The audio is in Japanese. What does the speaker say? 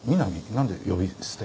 なんで呼び捨て？